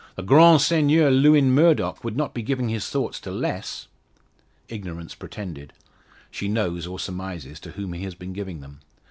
The grand Seigneur Lewin Murdock would not be giving his thoughts to less." Ignorance pretended. She knows, or surmises, to whom he has been giving them.